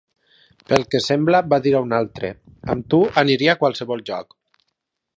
Pel que sembla, va dir a un altre: "Amb tu, aniria a qualsevol lloc".